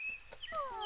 うん？